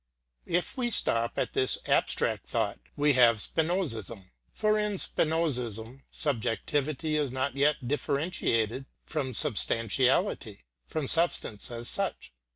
If we stop at this abstract thought we have Spinozism, for in Spinozism subjectivity is not yet differentiated from substantiality, from substance as such.